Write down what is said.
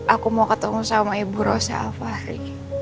aku mau ketemu sama ibu rosa alfari